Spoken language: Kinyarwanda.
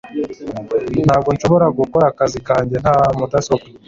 Ntabwo nshobora gukora akazi kanjye nta mudasobwa